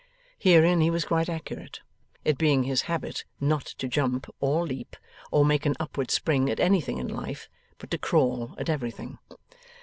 Herein he was quite accurate; it being his habit, not to jump, or leap, or make an upward spring, at anything in life, but to crawl at everything.